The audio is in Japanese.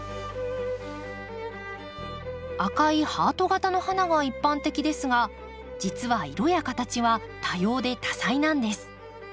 赤いハート形の花が一般的ですが実は色や形は多様で多彩なんです。